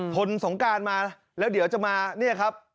ทนสงการมาแล้วเดี๋ยวจะมาเนี่ยครับ